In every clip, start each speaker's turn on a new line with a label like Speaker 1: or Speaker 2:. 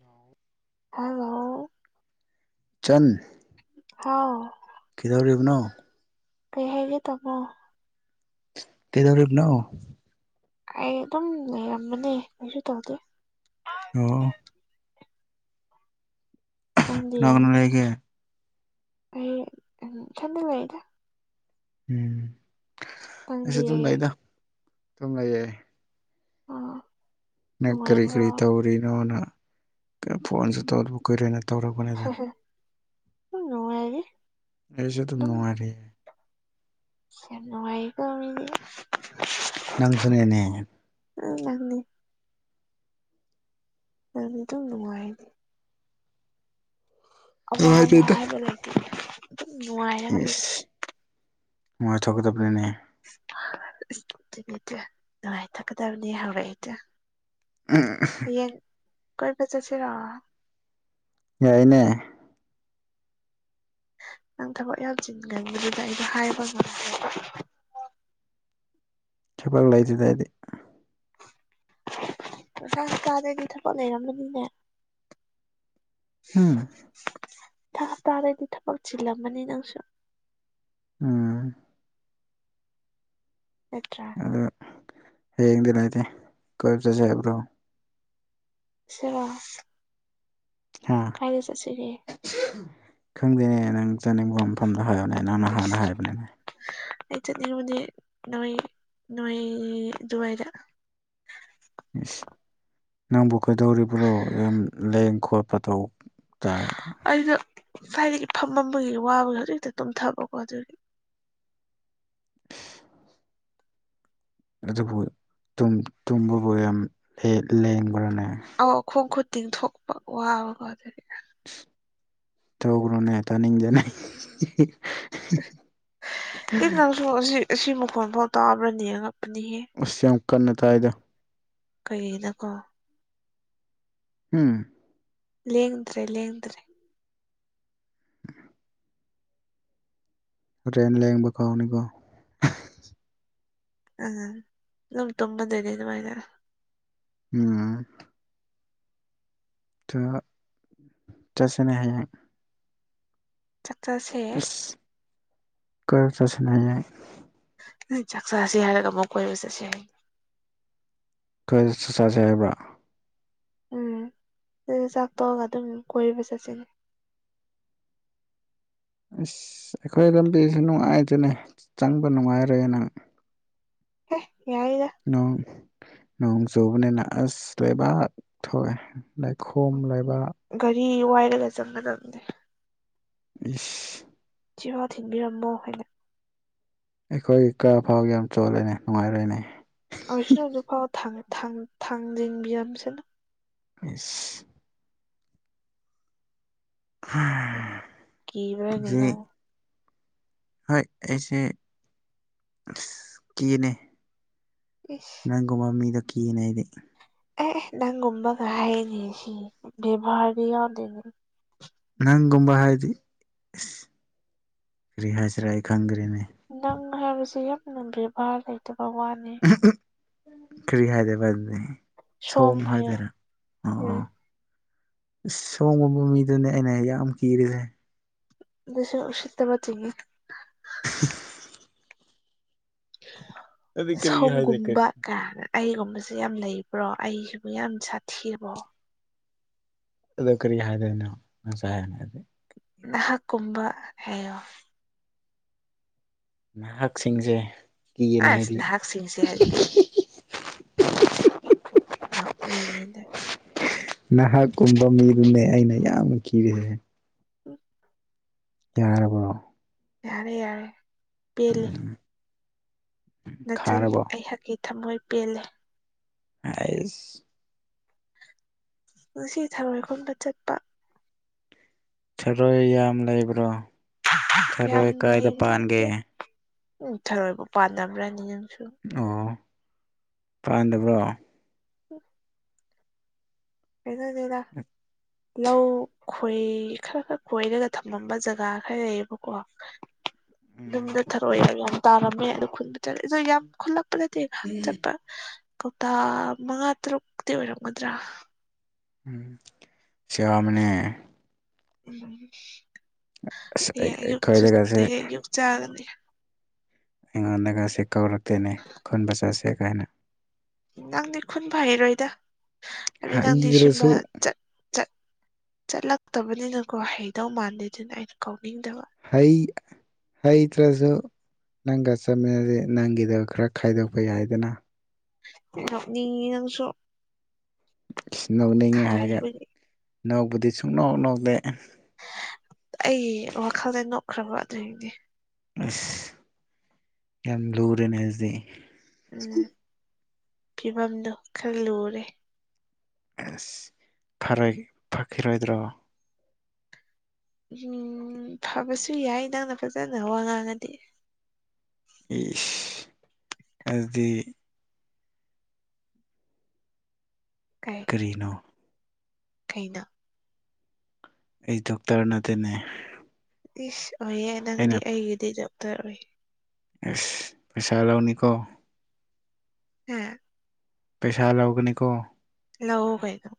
Speaker 1: ꯅꯎ
Speaker 2: hello.
Speaker 1: ꯆꯟ꯫
Speaker 2: ꯍꯥꯎ꯫
Speaker 1: ꯀꯤꯗꯧꯔꯤꯕꯅꯣ
Speaker 2: ꯀꯩ ꯍꯥꯏꯒꯦ ꯇꯧꯕꯣ
Speaker 1: ꯀꯩꯗꯧꯔꯤꯅꯣ
Speaker 2: ꯑꯩ ꯑꯗꯨꯝ ꯂꯩꯔꯝꯕꯅꯦ ꯀꯩꯁꯨ ꯇꯧꯗꯦ
Speaker 1: ꯑꯣ
Speaker 2: ꯅꯪꯗꯤ
Speaker 1: ꯀꯅꯥꯒ ꯂꯩꯒꯦ꯫
Speaker 2: ꯑꯩ ꯏꯊꯟ ꯂꯩꯗ
Speaker 1: ꯎꯝ ꯑꯩꯁꯨ
Speaker 2: ꯅꯪꯗꯤ
Speaker 1: ꯑꯗꯨꯨꯝ ꯂꯩꯗ ꯑꯗꯨꯨꯝ ꯂꯩꯌꯦ꯫
Speaker 2: ꯑꯥ
Speaker 1: ꯅꯪ ꯀꯔꯤ
Speaker 2: ꯅꯨꯡꯉꯥꯏꯕ꯭ꯔꯣ
Speaker 1: ꯀꯔꯤ ꯇꯧꯔꯤꯅꯣꯅ ꯐꯣꯟꯁꯨ ꯇꯧ ꯀꯨꯏꯔꯅ ꯇꯧꯔꯛꯄꯅꯤꯗ
Speaker 2: ꯑꯗꯨꯝ ꯅꯨꯡꯉꯥꯏꯔꯤ
Speaker 1: ꯑꯩꯁꯨ ꯑꯗꯨꯝ ꯅꯨꯡꯉꯥꯏꯔꯑ
Speaker 2: ꯀꯟꯅꯅꯨꯡꯉꯏ ꯀꯗꯤ
Speaker 1: ꯅꯪꯁꯨꯅꯤꯅꯦ꯫
Speaker 2: ꯎ ꯂꯥꯛꯅꯤ ꯌꯥꯝ ꯑꯗꯨ ꯅꯨꯡꯉꯥꯏꯔꯤ ꯑꯋꯥ ꯑꯋꯥ
Speaker 1: ꯅꯨꯡꯉꯥꯏꯇꯦꯗ
Speaker 2: ꯍꯥꯏꯕ ꯂꯩꯇꯦ꯫ ꯑꯗꯨꯝ ꯅꯨꯡꯉꯥꯏꯔꯒ ꯂꯩ
Speaker 1: ꯏꯁ ꯃꯣꯏ ꯊꯣꯛꯀꯗꯕ꯭ꯔꯅꯦ꯫
Speaker 2: ꯗꯤ ꯅꯨꯡꯉꯥꯏ ꯊꯛꯀꯗꯕꯅꯤ ꯍꯧꯔꯛꯏꯗꯤꯦ
Speaker 1: [unintelligible]
Speaker 2: ꯍꯌꯦꯡ ꯀꯣꯏꯕ ꯆꯠꯁꯤꯔꯣ
Speaker 1: ꯌꯥꯏꯅꯦ
Speaker 2: ꯅꯪ ꯊꯕꯛ ꯌꯥꯝ ꯆꯤꯟꯒꯟꯕꯗꯨꯗ ꯑꯩꯗꯣ ꯍꯥꯏꯕ ꯉꯝꯗꯔꯕ
Speaker 1: ꯊꯕꯛ ꯂꯩꯇꯗ ꯑꯩꯗꯤ
Speaker 2: ꯃꯊꯥꯡ ꯍꯞꯇꯗꯩꯗꯤ ꯊꯕꯛ ꯂꯩꯔꯝꯃꯅꯤꯅꯦ ꯫
Speaker 1: ꯍꯥꯝ
Speaker 2: ꯍꯄꯇꯥꯗꯒꯤꯗꯤ ꯊꯕꯛ ꯆꯤꯟꯂꯝꯃꯅꯤ ꯅꯪꯁꯨ꯫
Speaker 1: ꯎꯝ
Speaker 2: ꯅꯠꯇ꯭ꯔ
Speaker 1: ꯍꯌꯦꯡꯗꯤ ꯂꯩꯇꯦ ꯀꯣꯏꯕ ꯆꯠꯁꯦ ꯍꯥꯏꯕ꯭ꯔꯣ ꯫
Speaker 2: ꯁꯤꯔ꯫
Speaker 1: ꯍꯥ
Speaker 2: ꯀꯥꯏꯗ ꯆꯠꯁꯤꯒꯦ꯫
Speaker 1: ꯈꯪꯗꯦꯅꯦ ꯅꯪ ꯆꯥꯅꯤꯡꯕ ꯃꯐꯝꯗꯣ ꯍꯥꯏꯌꯣꯅꯦ ꯅꯪ ꯅ ꯍꯥꯟꯅ ꯍꯥꯏꯕꯅꯤꯅꯦ ꯫
Speaker 2: ꯑꯩ ꯆꯠꯅꯤꯡꯉꯤꯕꯗꯤ ꯅꯣꯏ ꯅꯣꯏ ꯑꯗꯨꯋꯥꯏꯗ
Speaker 1: ꯏꯁ ꯅꯪꯕꯨ ꯀꯩꯗꯧꯔꯤꯕ꯭ꯔꯣ ꯌꯥꯝ ꯂꯦꯡ ꯈꯣꯠꯄ ꯇꯧ꯫ ꯇꯥꯏ꯫
Speaker 2: ꯑꯩꯗ ꯉꯁꯥꯏꯗꯒꯤ ꯐꯝꯃꯝꯕꯒꯤ ꯋꯥꯕꯁ ꯍꯧꯖꯤꯛ ꯍꯛꯇ ꯇꯨꯝꯊꯕꯀꯣ ꯑꯗꯨꯒꯤ
Speaker 1: ꯑꯗꯨꯕꯨ ꯇꯨꯝ ꯇꯨꯝꯕꯕꯨ ꯌꯥꯝ ꯐꯤ ꯂꯦꯡꯕ꯭ꯔꯅꯦ꯫
Speaker 2: ꯑꯣ ꯈꯣꯡ ꯈꯨꯠ ꯇꯤꯡꯊꯣꯛꯄ ꯋꯥꯕꯀꯣ ꯑꯗꯨꯗꯤ
Speaker 1: ꯇꯧꯒ꯭ꯔꯣꯅꯦ ꯇꯥꯅꯤꯡꯗꯦꯅꯦ꯫
Speaker 2: ꯀꯩꯅꯣ ꯑꯁꯤ ꯑꯁꯤ ꯃꯈꯣꯟ ꯐꯥꯎ ꯇꯥꯕ꯭ꯔꯅ ꯑꯉꯛꯄꯅꯦꯍꯦ꯫
Speaker 1: ꯑ ꯌꯥꯝ ꯀꯟꯅ ꯇꯥꯏꯗ꯫
Speaker 2: ꯀꯩꯒꯤꯅꯀꯣ
Speaker 1: ꯍꯝ
Speaker 2: ꯂꯦꯡꯗ꯭ꯔꯦ ꯂꯦꯡꯗ꯭ꯔꯦ
Speaker 1: [inaudible] ꯑꯗꯨꯃꯥꯏ ꯂꯡꯕ ꯀꯥꯎꯅꯤꯀꯣ
Speaker 2: ꯑ ꯅꯪ ꯇꯨꯝꯕꯔꯥ ꯑꯗꯨꯃꯥꯏꯅ
Speaker 1: ꯎꯝ ꯇꯣ ꯆꯠꯁꯤꯅ ꯍꯥꯌꯦꯡ꯫
Speaker 2: ꯆꯥꯛ ꯆꯥꯁꯦ꯫
Speaker 1: ꯏꯁ ꯀ ꯏ ꯆꯠꯁꯤꯅꯦ ꯍꯌꯦꯡ꯫
Speaker 2: ꯅ ꯆꯥꯛ ꯆꯥꯁꯤ ꯍꯥꯏꯔꯒ ꯑꯃꯛ ꯀꯣꯏꯕ ꯆꯠꯁꯤ
Speaker 1: ꯈꯔ 'unintelligible' ꯍꯥꯏꯕ꯭ꯔꯥ꯫
Speaker 2: ꯎꯝ ꯁꯤ ꯆꯥꯛ ꯇꯣꯛꯔꯒ ꯑꯗꯨꯝ ꯀꯣꯏꯕ ꯆꯠꯁꯤꯅꯦ
Speaker 1: ꯑꯁ ꯑꯩꯈꯣꯏ ꯂꯝꯕꯤꯁꯨ ꯅꯨꯡꯉꯥꯏꯇꯦꯅꯦ ꯆꯪꯕ ꯅꯨꯡꯉꯥꯏꯔꯦ ꯅꯪ
Speaker 2: ꯍ ꯌꯥꯏꯒ
Speaker 1: ꯅꯣꯡ ꯆꯨꯕꯅꯤꯅꯥ ꯑꯁ ꯂꯩꯕꯥꯛ ꯊꯣꯛꯑꯥ ꯂꯥꯏꯈꯣꯝ ꯂꯩꯥꯏꯕ
Speaker 2: ꯒꯥꯔꯤ ꯋꯥꯏꯔꯒ ꯆꯪꯒꯗꯕꯅꯦ꯫
Speaker 1: ꯏꯁ꯫
Speaker 2: ꯁꯤꯕꯥꯎ ꯊꯤꯟꯕꯤꯔꯝꯃꯣ ꯍꯥꯏꯗ꯫
Speaker 1: ꯑꯩꯈꯣꯏ ꯀꯥ ꯐꯥꯎꯒꯤ ꯌꯥꯝ ꯆꯣꯂꯦꯅꯦ ꯅꯨꯡꯉꯥꯏꯔꯣꯏꯅꯦ꯫
Speaker 2: ꯑꯁꯨꯗꯨꯐꯥꯎ ꯊꯥꯡ ꯊꯥꯡ ꯊꯥꯡꯖꯤꯡꯕꯤꯔꯝꯁꯅꯨ꯫
Speaker 1: ꯏꯁ꯫ ꯑꯗꯨꯗꯤ
Speaker 2: ꯀꯤꯕ꯭ꯔꯅꯦ ꯅꯪ꯫
Speaker 1: ꯍꯣꯏ ꯑꯩꯁꯦ ꯑꯁ ꯀꯦꯅꯦ꯫
Speaker 2: ꯏꯁ꯫
Speaker 1: ꯅꯪꯒꯨꯝꯕ ꯃꯤꯗ ꯀꯤꯅꯦ ꯑꯩꯗꯤ
Speaker 2: ꯑꯦ ꯑꯦ ꯅꯪꯒꯨꯝꯕꯒ ꯍꯥꯏꯅꯤ ꯁꯤ ꯕꯦꯕꯔꯗꯤ ꯌꯥꯎꯗꯅꯦ
Speaker 1: ꯅꯪꯒꯨꯝꯕ ꯍꯥꯏꯗꯤ ꯀꯔꯤꯍꯥꯏꯖꯤꯔꯥ ꯑꯩ ꯈꯡꯗꯔ꯭ꯦꯅꯦ
Speaker 2: ꯅꯪ ꯍꯥꯏꯕꯁꯦ ꯌꯥꯝꯅ ꯕꯦꯕꯥꯔ ꯂꯩꯇꯕ ꯋꯥꯅꯦ꯫
Speaker 1: ꯑꯥꯍꯝ ꯑꯥꯍꯝ ꯀꯔꯤ ꯍꯥꯏꯗꯨꯕ ꯑꯗꯨꯗꯤ꯫ ꯁꯣꯝ ꯍꯥꯏꯗꯨꯔ ꯑꯣ꯫
Speaker 2: ꯎꯝ
Speaker 1: ꯑꯁ ꯁꯣꯝ ꯒꯨꯝꯕ ꯃꯤꯗꯨꯅꯦ ꯑꯩꯅ ꯌꯥꯝ ꯀꯤꯔꯤꯁꯦ
Speaker 2: ꯑꯗꯨꯁꯨ ꯎꯁꯇꯥꯕꯥ ꯆꯤꯡꯏ
Speaker 1: [unintelligible] ꯑꯗꯨ ꯀꯔꯤ ꯍꯥꯏꯗꯣꯏ
Speaker 2: ꯁꯣꯝꯒꯨꯝꯕ ꯀꯥꯅ꯫ ꯑꯩꯒꯨꯝꯕꯁꯦ ꯌꯥꯝ ꯂꯩꯕ꯭ꯔꯣ ꯑꯩꯁꯤꯕꯨ ꯌꯥꯝ ꯁꯥꯊꯤꯕ꯭ꯔꯣ꯫
Speaker 1: ꯑꯗꯨ ꯀꯔꯤ ꯍꯥꯏꯗꯅꯣꯁꯅꯦ ꯑꯗꯨꯗꯤ
Speaker 2: ꯅꯍꯥꯛ ꯀꯨꯝꯕ ꯍꯥꯏꯌꯣ꯫
Speaker 1: ꯅꯍꯥꯛꯁꯤꯡꯁꯦ ꯀꯤꯒꯅꯦ
Speaker 2: ꯑꯁ
Speaker 1: ꯍꯥꯏꯗꯤ꯫
Speaker 2: ꯅꯍꯥꯛꯁꯤꯡꯁꯦ ꯍꯥꯏꯗꯤ ꯅꯣꯛꯅꯤꯡꯏꯗꯥ
Speaker 1: ꯅꯍꯥꯛꯀꯨꯝꯕ ꯃꯤꯗꯨꯅꯦ ꯑꯩꯅ ꯌꯥꯝꯅ ꯀꯤꯔꯤꯁꯦ꯫
Speaker 2: [unintelligible]
Speaker 1: ꯌꯥꯔꯕ꯭ꯔꯣ
Speaker 2: ꯌꯥꯔꯦ ꯌꯥꯔꯦ ꯄꯦꯜꯂꯦ꯫
Speaker 1: [unintelligible]
Speaker 2: ꯅꯆꯟ
Speaker 1: ꯈꯥꯔꯕꯣ
Speaker 2: ꯑꯩꯍꯥꯛꯀꯤ ꯊꯝꯃꯣꯏ ꯄꯦꯜꯂꯦ꯫
Speaker 1: ꯑꯥꯏꯁ
Speaker 2: ꯉꯁꯤ ꯊꯔꯣꯏ ꯈꯨꯟꯕ ꯆꯠ꯫
Speaker 1: ꯊꯔꯣꯏ ꯌꯥꯝ ꯂꯩꯕ꯭ꯔꯣ
Speaker 2: ꯌꯥꯝ
Speaker 1: ꯊꯔꯣꯏ ꯀꯥꯏꯗ
Speaker 2: ꯂꯩꯕꯗꯤ
Speaker 1: ꯄꯥꯟꯒꯦ
Speaker 2: ꯅꯠꯇꯦ ꯎꯝ ꯊꯔꯣꯏꯕꯨ ꯄꯥꯟꯅꯕ꯭ꯔꯅꯤ ꯅꯪꯁꯨ
Speaker 1: ꯑꯣ ꯄꯥꯟꯗꯕ꯭ꯔꯣ
Speaker 2: ꯍꯨꯝ [unintelligible] ꯂꯧ ꯈꯣꯏ ꯈꯔ ꯈꯔ ꯈꯣꯏꯔꯒ ꯊꯝꯃꯝꯕ ꯖꯒꯥ ꯈꯔ ꯂꯩꯌꯦꯕꯀꯣ꯫
Speaker 1: [inaudible]
Speaker 2: [unintelligible] ꯌꯥꯝ ꯇꯥꯔꯝꯃꯦ ꯑꯗꯨ ꯈꯨꯟꯗ ꯆꯠꯂ ꯑ ꯌꯥꯝ ꯈꯨꯂꯛ [unintelligible] ꯆꯠꯄ ꯀꯧꯇꯥ ꯃꯉꯥ ꯇꯔꯨꯛꯇꯤ ꯑꯣꯏꯔꯝꯒꯗ꯭ꯔꯥ
Speaker 1: ꯌꯥꯃꯦꯅꯦ
Speaker 2: ꯎꯝ
Speaker 1: ꯑꯁ
Speaker 2: ꯍꯌꯦ ꯑꯌꯨꯛꯇ
Speaker 1: ꯑꯩꯈꯣꯏꯗꯒꯁꯦ
Speaker 2: ꯍꯌꯦꯡ ꯑꯌꯨꯛ ꯆꯥꯒꯅꯤ
Speaker 1: ꯑꯩꯉꯣꯟꯗꯒꯁꯦ ꯀꯧꯔꯛꯇꯦꯅꯦ ꯈꯨꯟꯕ ꯆꯁꯦ ꯀꯥꯏꯅ
Speaker 2: ꯅꯪꯗꯤ ꯈꯨꯟ ꯐꯩꯔꯣꯏꯗ ꯑꯗꯩ ꯅꯪꯗꯤ ꯁꯤꯨꯝꯕ
Speaker 1: ꯍꯩꯗ꯭ꯔꯁꯨ
Speaker 2: ꯆꯠ ꯠ ꯆꯠꯂꯛꯇꯕꯅꯤꯅꯀꯣ ꯍꯩꯗꯧ ꯃꯥꯟꯗꯦꯗꯅ ꯑꯩꯅ ꯀꯧꯅꯤꯡꯗꯕ
Speaker 1: ꯍꯩ ꯍꯩꯇ꯭ꯔꯁꯨ ꯅꯪꯒ ꯆꯠꯃꯤꯟꯅꯁꯦ ꯅꯪꯒꯤꯗ ꯈꯔ꯫ ꯈꯥꯏꯗꯣꯛꯄ ꯌꯥꯏꯗꯅ꯫
Speaker 2: ꯅꯣꯛꯅꯤꯡꯉꯤ ꯅꯪꯁꯨ꯫
Speaker 1: ꯅꯧꯅꯤꯡꯉꯦ ꯍꯥꯏꯔꯒ
Speaker 2: ꯈꯥꯏꯕꯒꯤ
Speaker 1: ꯅꯧꯕꯗꯤ ꯁꯨꯡꯅꯧ ꯅꯧꯗꯦ
Speaker 2: ꯑꯩ ꯋꯥꯈꯜꯗ ꯅꯣꯛꯈ꯭ꯔꯕ ꯑꯗꯨꯒꯤꯅꯦ꯫
Speaker 1: ꯑꯁ ꯌꯥꯝ ꯂꯨꯔꯦꯅꯦ ꯗꯨꯗꯤ
Speaker 2: ꯎꯝ ꯐꯤꯕꯝꯗꯣ ꯈꯔ ꯂꯨꯔꯦ꯫
Speaker 1: ꯑꯁ ꯐꯈꯤꯔꯣꯏꯗ꯭ꯔꯣ
Speaker 2: ꯎꯝ ꯐꯕꯁꯨ ꯌꯥꯏ ꯅꯪꯅ ꯐꯖꯅ ꯋꯥ ꯉꯥꯡꯉꯗꯤ
Speaker 1: ꯏꯁ ꯑꯗꯨꯗꯤ
Speaker 2: ꯀꯩ
Speaker 1: ꯀꯔꯤꯅꯣ
Speaker 2: ꯀꯩꯅ
Speaker 1: ꯑꯩ ꯗꯣꯛꯇꯔ ꯅꯠꯇꯦꯅꯦ
Speaker 2: ꯏꯁ ꯑꯣꯏꯑꯦ ꯅꯪꯗꯤ
Speaker 1: ꯑꯩꯅ
Speaker 2: ꯑꯩꯒꯤꯗꯤ ꯗꯣꯛꯇꯔ ꯑꯣꯏꯌꯦ
Speaker 1: ꯑꯥꯏꯁ ꯄꯩꯁꯥ ꯂꯧꯅꯤꯀꯣ
Speaker 2: ꯍꯥ
Speaker 1: ꯄꯩꯁꯥ ꯂꯧꯒꯅꯤꯀꯣ
Speaker 2: ꯑ ꯍ ꯍꯣꯏꯗ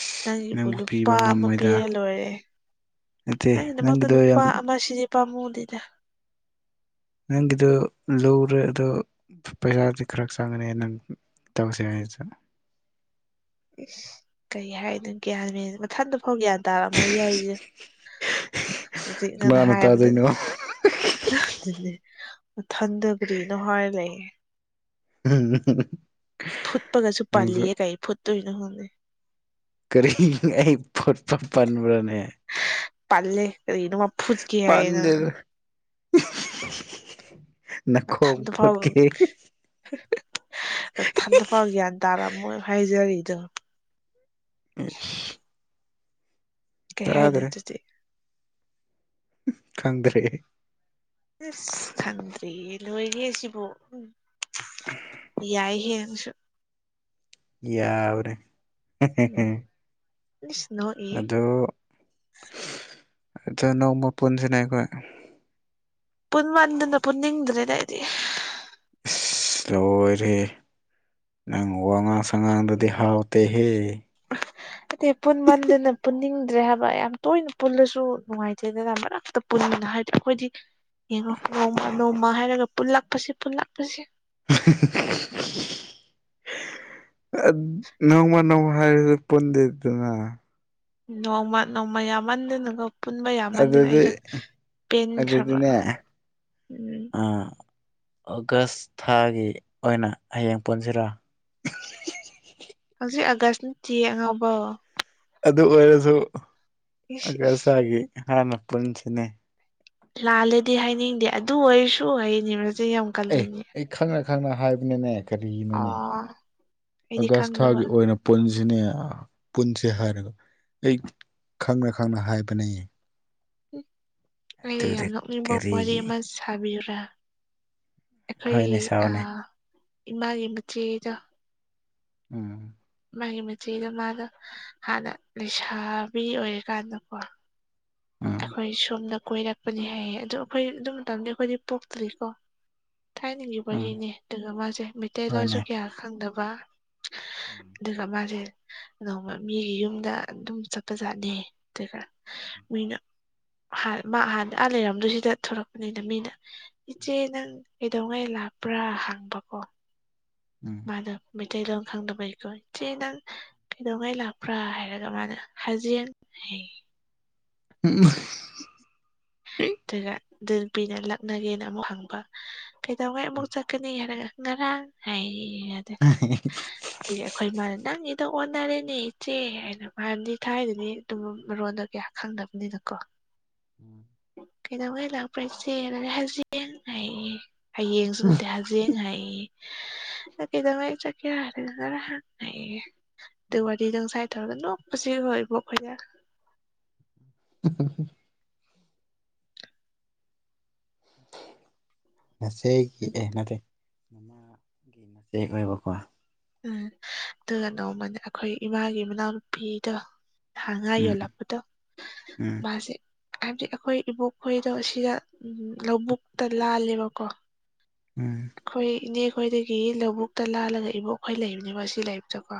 Speaker 1: ꯏꯁ
Speaker 2: ꯅꯪꯒꯤꯕꯨ
Speaker 1: ꯅꯪꯕꯨ
Speaker 2: ꯂꯨꯄꯥ
Speaker 1: ꯄꯤꯕ
Speaker 2: ꯑꯃ
Speaker 1: ꯉꯝꯃꯣꯏꯗ
Speaker 2: ꯄꯤꯔ ꯂꯣꯏꯔꯦ
Speaker 1: ꯅꯠꯇꯦ
Speaker 2: ꯅꯪꯒꯤꯗꯃꯛꯇ
Speaker 1: ꯅꯪꯒꯤꯗꯣ
Speaker 2: ꯂꯨꯄꯥ
Speaker 1: ꯌꯥꯝ
Speaker 2: ꯑꯃ ꯁꯤꯗꯤ ꯄꯥꯝꯃꯨꯗꯅꯦ
Speaker 1: ꯅꯪꯒꯤꯗꯣ ꯂꯧꯔꯦ ꯑꯗꯣ ꯄꯩꯁꯥꯗꯤ ꯈꯔ ꯆꯪꯒꯅꯤ ꯅꯪ ꯇꯧꯁꯦ ꯍꯥꯏꯁꯦ
Speaker 2: ꯎ ꯀꯩ ꯍꯥꯏꯅꯣ ꯒ꯭ꯌꯥꯟꯅꯦ ꯃꯊꯟꯗ ꯐꯥꯎ ꯒ꯭ꯌꯥꯟ ꯇꯥꯔꯛꯑ ꯃꯣꯏ ꯌꯥꯎꯔꯤꯁꯦ ꯍꯧꯖꯤꯛ ꯅꯪꯅ
Speaker 1: ꯀꯅꯥꯅ
Speaker 2: ꯍꯥꯏꯕꯗꯨꯅꯤ
Speaker 1: ꯇꯥꯗꯣꯏꯅꯣ
Speaker 2: ꯑꯗꯨꯅꯦ ꯃꯊꯟꯗ ꯀꯔꯤꯅꯣ ꯍꯥꯏꯔ ꯂꯩꯌꯦ
Speaker 1: ꯎꯝ
Speaker 2: ꯐꯨꯠꯄꯒꯁꯨ ꯄꯥꯜꯂꯤꯌꯦ ꯀꯩ ꯐꯨꯠꯇꯣꯏꯅꯣ ꯈꯪꯗꯦ
Speaker 1: ꯀꯔꯤ ꯑꯩ ꯐꯨꯠꯄ ꯄꯟꯕ꯭ꯔꯅꯦ
Speaker 2: ꯀꯔꯤ ꯏꯅ ꯋꯥꯄꯨꯁ ꯀꯌꯦꯅ
Speaker 1: [unintelligible] ꯅꯈꯣ
Speaker 2: ꯃꯊꯟꯇ ꯐꯥꯎ
Speaker 1: ꯐꯣꯠꯀꯦ
Speaker 2: ꯃꯥ ꯒ꯭ꯌꯥꯟ ꯇꯥꯔꯝꯃꯣꯏ ꯍꯥꯏꯖꯔꯤꯗꯣ
Speaker 1: ꯑꯦ
Speaker 2: ꯀꯩ ꯍꯥꯏꯅꯣ
Speaker 1: ꯇꯥꯗ꯭ꯔꯦ
Speaker 2: ꯑꯗꯨꯗꯤ
Speaker 1: ꯈꯪꯗ꯭ꯔꯔꯤ
Speaker 2: ꯑꯁ ꯈꯟꯗ꯭ꯔꯤ ꯂꯣꯏꯔꯦ ꯁꯤꯕꯨꯣ ꯎ ꯌꯥꯏꯍꯦ ꯅꯪꯁꯨ
Speaker 1: ꯌꯥꯎꯔꯦ
Speaker 2: ꯅꯣ
Speaker 1: ꯑꯗꯨ ꯑꯗ ꯅꯣꯡꯃ ꯄꯨꯟꯁꯤꯅꯦ ꯑꯈꯣꯏ
Speaker 2: ꯄꯨꯟ ꯃꯟꯗꯅ ꯄꯨꯟ ꯅꯤꯡꯗꯅꯅ ꯍꯥꯏꯗꯤ
Speaker 1: ꯏꯁ ꯂꯣꯏꯔꯦꯍꯦ ꯅꯪ ꯋꯥꯉꯥꯡ ꯁꯉꯥꯡꯗꯨꯗꯤ ꯍꯥꯎꯇꯦꯍꯦ
Speaker 2: ꯍꯥꯏꯗꯤ ꯄꯨꯟꯃꯟꯗꯅ ꯄꯨꯟꯅꯤꯡꯗ꯭ꯔꯦ ꯍꯥꯏꯕ ꯌꯥꯝ ꯇꯣꯏꯅ ꯄꯨꯜꯂꯁꯨ ꯅꯨꯡꯉꯥꯏꯇꯦꯗꯅ ꯃꯔꯛꯇ ꯄꯨꯟꯒꯅꯤ ꯍꯥꯏꯔꯗꯤ ꯑꯈꯣꯏꯗꯤ
Speaker 1: [inaudible]
Speaker 2: ꯌꯦꯡꯉꯣ ꯅꯣꯡꯃ ꯅꯣꯡꯃ ꯍꯥꯏꯔꯒ ꯄꯨꯜꯂꯛꯄꯁꯤ ꯄꯨꯜꯂꯛꯄꯁꯦ
Speaker 1: [unintelligible] ꯑ ꯅꯣꯡꯃ ꯅꯣꯡꯃ ꯍꯥꯏꯕꯗꯨ ꯄꯨꯟꯗꯦꯗꯅ
Speaker 2: ꯅꯣꯡꯃ ꯅꯣꯡꯃ ꯌꯥꯝꯃꯟꯗꯅꯀ‌ꯣ ꯄꯨꯟꯕ ꯌꯥꯃꯟꯗꯅ
Speaker 1: ꯑꯗꯨꯗꯤ
Speaker 2: ꯑꯩꯗꯣ ꯄꯦꯟꯈ꯭ꯔꯕ
Speaker 1: ꯑꯗꯨꯗꯤꯅꯦ
Speaker 2: ꯎꯝ
Speaker 1: ꯑꯥ ꯑꯣꯒꯁ ꯊꯥꯒꯤ ꯑꯣꯏꯅ ꯍꯌꯦꯡ ꯄꯨꯟꯁꯤꯔ
Speaker 2: ꯍꯧꯖꯤꯛ ꯑꯥꯒꯁ ꯅꯠꯇꯤꯌꯦ ꯑꯉꯥꯎꯕꯥꯎ
Speaker 1: ꯑꯗꯨ ꯑꯣꯏꯔꯁꯨ
Speaker 2: ꯏꯁ
Speaker 1: ꯑꯒꯁ
Speaker 2: ꯏꯁ
Speaker 1: ꯊꯥꯒꯤ ꯍꯥꯟꯅ ꯄꯨꯟꯁꯤꯅꯦ
Speaker 2: ꯂꯥꯜꯂꯦꯗꯤ ꯍꯥꯏꯅꯤꯡꯗꯦ ꯑꯗꯨ ꯑꯩꯁꯨ ꯍꯥꯏꯅꯤꯡꯕꯁꯦ ꯌꯥꯝ
Speaker 1: ꯑꯦ
Speaker 2: ꯀꯜꯂꯤꯅꯦ
Speaker 1: ꯑꯩ ꯈꯪꯅ ꯈꯪꯅ ꯍꯥꯏꯕꯅꯤꯅꯦ ꯀꯔꯤꯅꯣꯅꯦ
Speaker 2: ꯑꯣ ꯑꯩꯗꯤ ꯈꯪꯗꯕ
Speaker 1: ꯑꯒꯁꯊꯥꯒꯤ ꯑꯣꯏꯅ ꯄꯨꯟꯁꯤꯅꯦ ꯄꯨꯟꯁꯦ ꯍꯥꯏꯔꯒ ꯑꯩ ꯈꯪꯅ ꯈꯪꯅ ꯍꯥꯏꯕꯅꯦꯌꯦ
Speaker 2: ꯑꯩ ꯌꯥꯝ ꯅꯣꯛꯅꯤꯡꯕ ꯋꯥꯔꯤ
Speaker 1: ꯀꯔꯤꯒꯤ
Speaker 2: ꯑꯃꯁꯦ ꯊꯥꯕꯤꯌꯨꯔꯥ ꯑꯩꯈꯣꯏ
Speaker 1: ꯍꯣꯏꯅꯦ ꯁꯥꯎꯅꯦ
Speaker 2: ꯏꯃꯥꯒꯤ ꯃꯆꯦꯗꯣ
Speaker 1: ꯎꯝ
Speaker 2: ꯃꯥꯒꯤ ꯃꯆꯦꯒ ꯃꯥꯒ ꯍꯥꯟꯅ ꯂꯩꯁꯥꯕꯤ ꯑꯣꯏꯔꯤꯀꯥꯟꯗꯀꯣ
Speaker 1: ꯎꯝ
Speaker 2: ꯑꯩꯈꯣꯏ ꯁꯣꯝꯅ ꯀꯣꯏꯔꯛꯄꯅꯤ ꯍꯥꯏꯌꯦ ꯑꯗꯣ ꯑꯩꯈꯣꯏ ꯑꯗꯨ ꯃꯇꯝꯗꯤ ꯑꯩꯈꯣꯏꯗꯤ ꯄꯣꯛꯇ꯭ꯔꯤꯀꯣ ꯊꯥꯏꯅꯒꯤ
Speaker 1: ꯎꯝ
Speaker 2: ꯋꯥꯔꯤꯅꯦ ꯑꯗꯨꯒ ꯃꯥꯁꯦ ꯃꯩꯇꯩꯂꯣꯟꯁꯨ
Speaker 1: ꯍꯣꯏꯅꯦ
Speaker 2: ꯀꯌꯥ ꯈꯪꯗꯕ ꯑꯗꯨꯒ ꯃꯥꯁꯦ ꯅꯣꯡꯃ ꯃꯤꯒꯤ ꯌꯨꯝꯗ ꯑꯗꯨꯝ ꯆꯠꯄꯖꯥꯠꯅ‌ꯦ ꯑꯗꯨꯒ ꯃꯤꯅ ꯃꯥ ꯍꯥꯟꯅ ꯑꯥ ꯂꯩꯔꯝꯗꯣꯏ ꯁꯤꯗ ꯊ‌ꯣꯔꯛꯄꯅꯤꯅ ꯃꯤꯅ ꯏꯆꯦ ꯅꯪ ꯀꯩꯗꯧꯉꯩ ꯂꯥꯛꯄ꯭ꯔꯥ ꯍꯪꯕꯀꯣ
Speaker 1: ꯎꯝ
Speaker 2: ꯃꯥꯗꯣ ꯃꯩꯇꯩ ꯂꯣꯟ ꯈꯪꯗꯕꯩꯀꯣ ꯏꯆꯦ ꯅꯪ ꯀꯩꯗꯧꯉꯩ ꯂꯥꯛꯄ꯭ꯔꯥ ꯍꯥꯏꯔꯒ ꯃꯥꯅ ꯍꯖꯤꯡ ꯍꯥꯏ
Speaker 1: ꯎꯝ
Speaker 2: ꯑꯗꯨꯒ ꯗꯨ ꯅꯨꯄꯤꯅ ꯂꯛꯅꯒꯦꯅ ꯑꯃꯨꯛ ꯍꯪꯕ ꯀꯩꯗꯧꯉꯩ ꯑꯃꯨꯛ ꯆꯠꯀꯅꯤ ꯍꯥꯏꯔꯒ ꯉꯔꯥꯡ ꯍꯥꯏꯌ‌ꯦꯌ‌ꯦ
Speaker 1: [unintelligible]
Speaker 2: ꯑꯗꯨꯒꯤ ꯑꯩꯈꯣꯏ ꯃꯥꯅ ꯅꯪꯒꯤꯗ‌ꯣ ꯑꯣꯟꯅꯔꯦꯅꯦ ꯏꯆꯦ ꯍꯥꯏꯅ ꯃꯔꯝꯗꯤ ꯊꯥꯏꯅꯗꯤ ꯑꯗꯨ ꯃꯔꯣꯟꯗꯣ ꯀꯌꯥ ꯈꯪꯗꯕꯅꯤꯅꯀꯣ
Speaker 1: [inaudible]
Speaker 2: ꯀꯩꯗꯧꯉꯦ ꯂꯥꯛꯄ꯭ꯔꯥ ꯏꯆ‌ꯦꯅ ꯍꯖ‌ꯦꯡ ꯍꯥꯏꯌ‌ꯦꯌ‌ꯦ ꯍꯌꯦꯡꯁꯨ
Speaker 1: ꯎꯝ
Speaker 2: ꯅꯠꯇꯦ ꯍꯖ‌ꯦꯡ ꯍꯥꯏꯌ‌ꯦꯌ‌ꯦ ꯅꯪ ꯀꯩꯗꯧꯉꯩ ꯆꯠꯀꯦꯔ ꯍꯥꯏꯔꯒ ꯉꯥꯔꯥꯡ ꯍꯥꯏꯌ‌ꯦꯌ‌ꯦ ꯑꯗꯨ ꯋꯥꯔꯤꯗ‌ꯣ ꯉꯁꯥꯏ ꯇꯧꯔꯒ ꯅꯣꯛꯄꯁꯤ ꯑꯩꯈ‌ꯣꯏ ꯑꯥꯕ‌ꯣꯛ ꯈꯣꯏꯗ
Speaker 1: [unintelligible] ꯃꯆꯦꯒꯤ ꯑꯦ ꯅꯠꯇꯦ ꯃꯃꯥꯒꯤ ꯃꯆꯦ ꯑꯣꯏꯕꯀꯣ
Speaker 2: ꯎꯝ ꯑꯗꯨꯒ ꯅꯣꯡꯃꯅ ꯑꯈꯣꯏ ꯏꯃꯥꯒꯤ ꯃꯅꯥꯎꯅꯨꯄꯤꯗꯣ ꯊꯥꯡ ꯉꯥ
Speaker 1: ꯎꯝ
Speaker 2: ꯌꯣꯜꯂꯛꯄꯗꯣ
Speaker 1: ꯎꯝ
Speaker 2: ꯃꯥꯁꯦ ꯍꯥꯏꯕꯗꯤ ꯑꯩꯈꯣꯏ ꯏꯕꯣꯛꯈꯣꯏꯗꯣ ꯁꯤꯗ ꯂꯧꯕꯨꯛꯇ ꯂꯥꯜꯂꯦꯕꯀꯣ
Speaker 1: ꯎꯝ
Speaker 2: ꯑꯩꯈꯣꯏ ꯏꯅꯦ ꯈꯣꯏꯗꯒꯤ ꯂꯧꯕꯨꯛꯇ ꯂꯥꯜꯂꯒ ꯏꯕꯣꯛꯈꯣꯏ ꯂꯩꯕꯅꯦꯕ ꯑꯁꯤ ꯂꯩꯕꯗꯀꯣ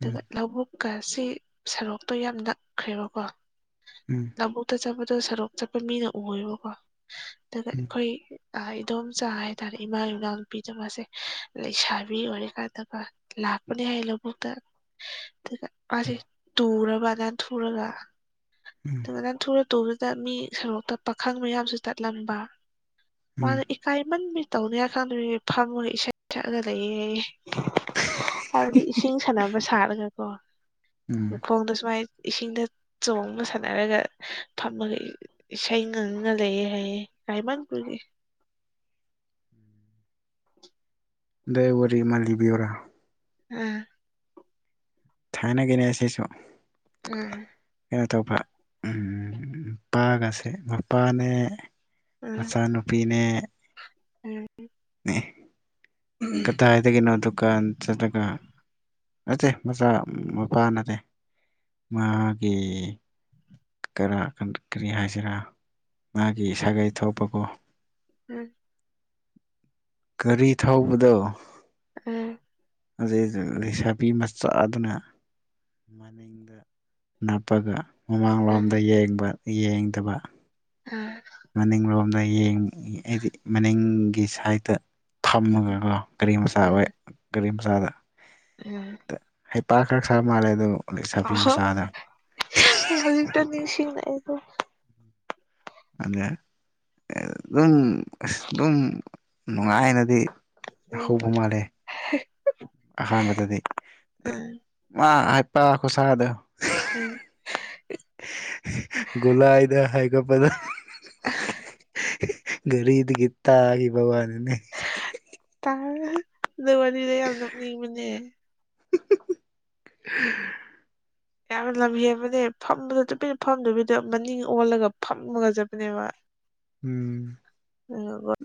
Speaker 1: ꯎꯝ
Speaker 2: ꯂꯧꯕꯨꯛꯀ ꯁ‌‌ꯤ ꯁꯔꯣꯛꯇꯣ ꯌꯥꯝ ꯅꯛꯈ꯭ꯔꯦꯕꯀꯣ
Speaker 1: ꯎꯝ
Speaker 2: ꯂꯕꯨꯨꯛꯇ ꯆꯠꯄꯗꯣ ꯁꯣꯔꯣꯛ ꯆꯠꯄ ꯃꯤꯅ ꯎꯌꯦꯕꯀꯣ ꯑꯗꯨꯒ
Speaker 1: ꯎꯝ
Speaker 2: ꯑꯩꯈꯣꯏ ꯑ ꯏꯗꯣꯝꯆꯥ ꯍꯥꯏꯇꯥꯔꯦ ꯏꯃꯥꯒꯤ ꯃꯅꯥꯎꯄꯤꯗꯣ ꯃꯥꯁꯦ ꯂꯩꯁꯥꯕꯤ ꯑꯣꯏꯔꯤꯀꯥꯟꯗꯀ‌ꯣ ꯂꯥꯛꯄꯅ‌ꯦ ꯍꯥꯏꯌ‌ꯦ ꯂꯕꯨꯛꯇ ꯑꯗꯨꯒ ꯃꯥꯁ‌ꯦ ꯇꯨꯔꯕ ꯅꯥꯟꯊꯨꯔꯒ
Speaker 1: ꯎꯝ
Speaker 2: ꯑꯗꯨꯒ ꯅꯥꯟꯊꯨꯔ ꯇꯨꯕꯗꯨꯗ ꯃꯤ ꯁꯣꯔꯣꯛꯇ ꯄꯥꯈꯪ ꯃꯌꯥꯝꯁꯨ ꯆꯠꯂꯝꯕ
Speaker 1: ꯎꯝ ꯎꯝ
Speaker 2: ꯃꯥꯗ‌ꯣ ꯏꯀꯥꯏꯃꯟꯕꯩ ꯇꯧꯅꯤꯡꯉꯥꯏ ꯈꯪꯗꯕꯩ ꯐꯝꯃꯒ ꯏꯁꯩ ꯁꯛꯑꯒ ꯂꯩꯌꯦ ꯍꯥꯏꯗꯤ ꯏꯁꯤꯡ ꯁꯥꯟꯅꯕ ꯁꯥꯠꯂꯒꯀꯣ
Speaker 1: ꯎꯝ
Speaker 2: ꯃꯈꯣꯡꯗꯣ ꯁꯨꯃꯥꯏꯅ ꯏꯁꯤꯡꯗ ꯆꯣꯡꯉ ꯁꯥꯟꯅꯔꯒ ꯐꯝꯃꯒ ꯏ ꯏꯁꯩ ꯉꯪꯅ ꯂꯩꯑꯦ ꯍꯥꯏꯌꯦ ꯔꯥꯏꯃꯟꯄꯨꯔꯒꯤ
Speaker 1: ꯗ ꯋꯥꯔꯤꯔꯤꯃꯥꯂꯤꯕꯤꯌꯣꯔꯥ
Speaker 2: ꯎꯝ
Speaker 1: ꯊꯥꯏꯅꯒꯤꯅꯦ ꯑꯁꯤꯁꯨ
Speaker 2: ꯎꯝ
Speaker 1: ꯀꯩꯅꯣ ꯇꯧꯕ ꯅꯨꯄꯥꯒꯁꯦ ꯃꯄꯥꯅꯦ ꯃꯆꯥꯅꯨꯄꯤꯅꯦ
Speaker 2: ꯎꯝ
Speaker 1: ꯀꯗꯥꯏꯗꯒꯤꯅꯣ ꯗꯨꯀꯥꯟ ꯆꯠꯂꯒ ꯅꯠꯇꯦ ꯃꯆꯥ ꯃꯄꯥ ꯅꯠꯇꯦ ꯃꯥꯒꯤ ꯀꯩꯅ‌ꯣ ꯀꯔꯤ ꯍꯥꯏꯁꯤꯔꯥ ꯃꯥꯒꯤ ꯁꯥꯒꯩ ꯊꯣꯛꯄꯀ‌ꯣ
Speaker 2: ꯎꯝ
Speaker 1: ꯒꯥꯔꯤ ꯊꯧꯕꯗꯣ
Speaker 2: [unintelligible]
Speaker 1: ꯑꯗꯨꯗ ꯂꯩꯁꯥꯕꯤ ꯃꯆꯥ ꯑꯗꯨ ꯑꯗꯨꯅ ꯃꯅꯤꯡꯗ ꯅꯞꯄꯒ ꯃꯃꯥꯡꯂꯣꯝꯗ ꯌꯦꯡꯕ ꯌꯦꯡꯗꯕ
Speaker 2: ꯎꯝ
Speaker 1: ꯃꯅꯤꯡꯂꯣꯝꯗ ꯌꯦꯡ ꯑꯩꯗꯤ ꯃꯅꯤꯡꯒꯤ ꯁꯥꯏꯠꯇ ꯊꯝꯃꯒꯀꯣ ꯒꯥꯔꯤ ꯃꯆꯥ ꯍꯣꯏ
Speaker 2: ꯎꯝ
Speaker 1: ꯒꯥꯔꯤ ꯃꯆꯥꯗ
Speaker 2: ꯎꯝ
Speaker 1: ꯍꯩꯄꯥꯛꯥꯛ ꯈꯔ ꯈꯔꯕ ꯃꯥꯜꯂꯦ ꯑꯗꯨꯛ ꯁꯥꯐꯤ
Speaker 2: ꯑꯍꯣ
Speaker 1: ꯃꯆꯥꯗ
Speaker 2: ꯑꯩ ꯍꯧꯖꯤꯛꯁꯤ ꯑꯩꯕꯨꯣ
Speaker 1: ꯑꯗ ꯑꯗꯨꯝ ꯑ ꯑꯗꯨꯝ ꯅꯨꯡꯉꯥꯏꯅꯗꯤ ꯑ ꯍꯣꯕ
Speaker 2: ꯎꯝ
Speaker 1: ꯃꯥꯥꯔꯦ ꯑꯍꯥꯟꯕꯗꯗꯤ
Speaker 2: ꯎꯝ
Speaker 1: ꯃꯥ ꯍꯥꯏꯄꯥ ꯈꯨꯠꯁꯥꯗꯣ
Speaker 2: ꯑꯝ
Speaker 1: ꯨꯂ ꯍꯥꯏꯗ ꯍꯥꯏꯒꯄꯗ ꯔꯤꯗꯇꯒ ꯕꯥꯅꯤ
Speaker 2: ꯇ ꯅꯋꯥ ꯂꯩ ꯑꯅꯅꯤ ꯃꯅꯦ
Speaker 1: [inaudible]
Speaker 2: ꯌꯥꯝ ꯂꯝ ꯍꯕꯅꯦ ꯐꯝꯕꯗ ꯇꯨꯄꯤꯅ ꯐꯝꯗꯕꯤꯗ ꯃꯅꯤꯡ ꯑꯣꯜꯂꯒ ꯐꯝꯃꯒ ꯆꯠꯄꯅꯦꯕ
Speaker 1: ꯎꯝ
Speaker 2: ꯑꯗꯨꯒ